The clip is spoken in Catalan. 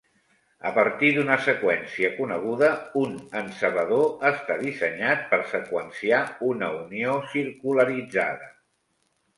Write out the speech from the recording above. A partir d'una seqüència coneguda, un encebador està dissenyat per seqüenciar una unió circularitzada.